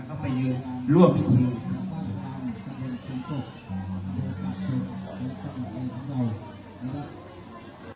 สวัสดีทุกคน